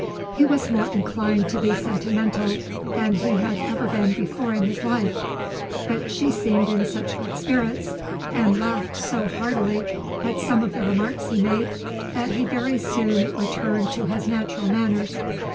He was more inclined to be sentimental than he had ever been before in his life; but she seemed in such good spirits, and laughed so heartily at some of the remarks he made, that he very soon returned to his natural manners.